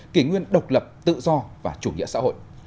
kỷ nguyên độc lập tự do và chủ nghĩa xã hội